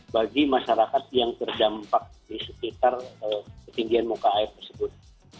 bagi masyarakat yang terdampak di sekitar ketinggian muka air tersebut